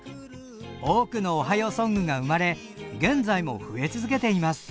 多くの「おはようソング」が生まれ現在も増え続けています。